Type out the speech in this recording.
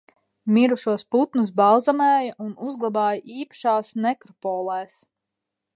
Mirušos putnus balzamēja un uzglabāja īpašās nekropolēs.